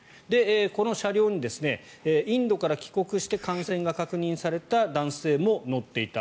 この車両にインドから帰国して感染が確認された男性も乗っていた。